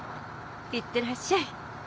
行ってらっしゃい。